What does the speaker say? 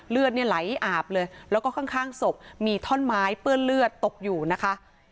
เลือดเนี่ยไหลอาบเลยแล้วก็ข้างศพมีท่อนไม้เปื้อนเลือดตกอยู่นะคะ